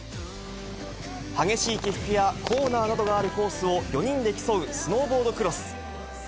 激しい起伏や、コーナーなどがあるコースを４人で競うスノーボードクロス。